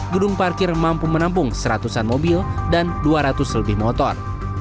gedung parkir mampu menampung seratusan mobil dan dua ratus lebih motor